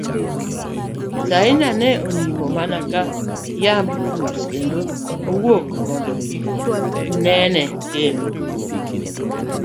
Zaina ne onimo mana ka yamb kus kendo owuok, mondo kik nene kendo.